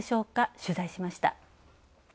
取材しました。